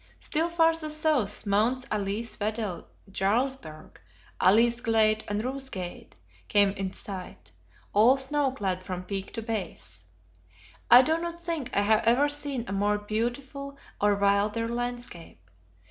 Still farther south Mounts Alice Wedel Jarlsberg, Alice Gade, and Ruth Gade, came in sight; all snow clad from peak to base. I do not think I have ever seen a more beautiful or wilder landscape.